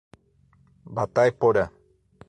Batayporã